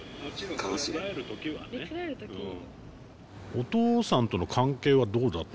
お父さんとの関係はどうだったんですか？